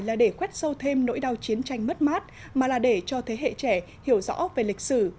là để khoét sâu thêm nỗi đau chiến tranh mất mát mà là để cho thế hệ trẻ hiểu rõ về lịch sử